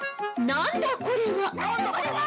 なんだこれは！